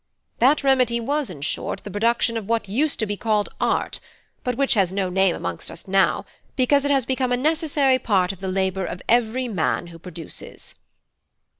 That remedy was, in short, the production of what used to be called art, but which has no name amongst us now, because it has become a necessary part of the labour of every man who produces."